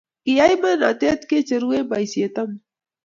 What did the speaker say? kiyai menotet ke cheru eng' boisiet amut